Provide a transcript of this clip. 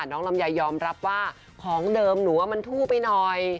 ลำไยยอมรับว่าของเดิมหนูว่ามันทู่ไปหน่อย